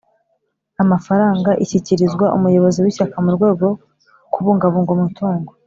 Amafaranga ishyikirizwa umuyobozi w’Ishyaka mu rwego kubungabunga umutungo